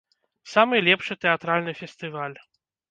Самы лепшы тэатральны фестываль!